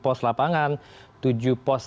postpengamanan di lapangan tujuh post